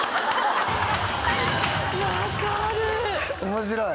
面白い。